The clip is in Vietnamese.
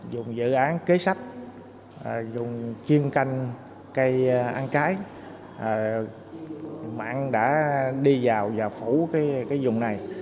dùng dự án kế sách dùng kim canh cây ăn trái mặn đã đi vào và phủ cái dùng này